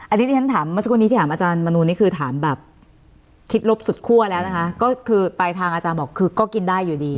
อันนี้ที่ฉันถามอาจารย์มนูนี่คือถามแบบคิดลบสุดคั่วแล้วนะคะก็คือปลายทางอาจารย์บอกคือก็กินได้อยู่ดี